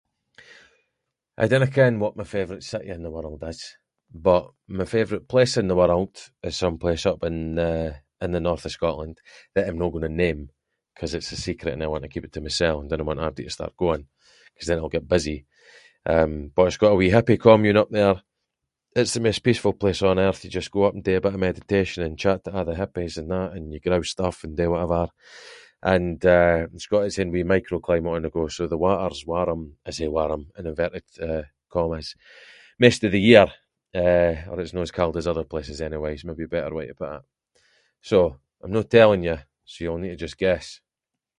I dinna ken what my favourite city in the world is, but my favourite place in the world is someplace up in the- in the north of Scotland that I’m no going to name ‘cause it’s a secret and I want to keep it to myself, and dinna want abody to start going, ‘cause then it’ll get busy. Eh, but it’s got a wee hippie commune up there, it’s the maist peaceful place on earth, you just go up and do a bit of meditation and chat to a’ the hippies and that and you grow stuff and do whatever, and eh, it’s got its own wee micro-climate on the go, so the water’s warm, I say warm in inverted commas, maist of the year, eh, or it’s no as cold as other places anway, is maybe a better way to put it. So, I’m no telling you, so you’ll need to just guess.